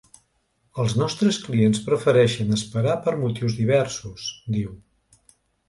Els nostres clients prefereixen esperar per motius diversos, diu.